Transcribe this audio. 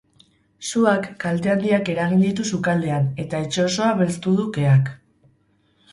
Suak kalte handiak eragin ditu sukaldean, eta etxe osoa belztu du keak.